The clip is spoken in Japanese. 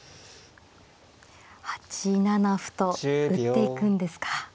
８七歩と打っていくんですか。